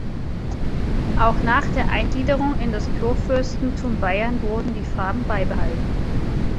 Auch nach der Eingliederung in das Kurfürstentum Bayern wurden die Farben beibehalten.